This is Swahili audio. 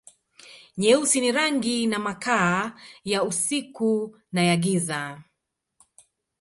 Nyeusi ni rangi na makaa, ya usiku na ya giza.